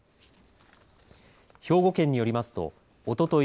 兵庫県によりますとおととい